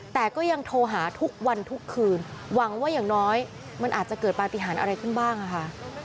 แต่ก็ยังโทรหาทุกวันทุกคืนหวังว่าอย่างน้อยมันอาจจะเกิดปฏิหารอะไรขึ้นบ้างค่ะ